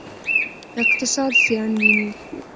اقتصاد زیان ویني.